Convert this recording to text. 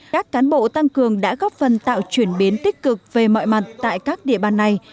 các cán bộ tăng cường đã góp phần tạo chuyển biến tích cực về mọi mặt tại các địa bàn này